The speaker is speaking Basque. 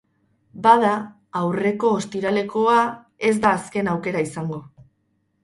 Bada, aurreko ostiralekoa ez da azken aukera izango.